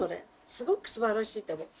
すごくすばらしいと思う。